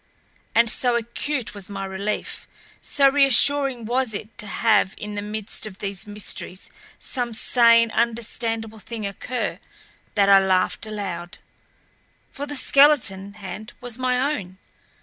And so acute was my relief, so reassuring was it to have in the midst of these mysteries some sane, understandable thing occur that I laughed aloud. For the skeleton hand was my own.